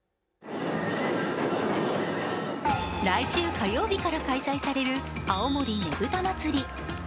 来週火曜日から開催される青森ねぶた祭。